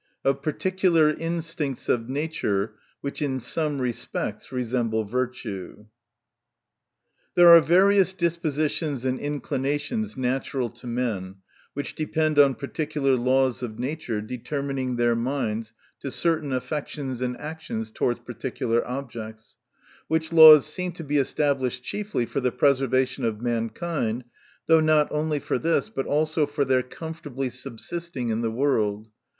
Of particular Instincts of Nature, which in some respects resemble Virtue. There are various dispositions and inclinations natural to men, which depend on particular laws of nature, determining their minds to certain affections and actions towards particular objects ; which laws seem to be established chiefly for the preservation of mankind, though not only for this, but also for their comfortably subsisting in the world.